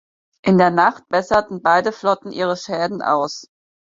In der Nacht besserten beide Flotten ihre Schäden aus.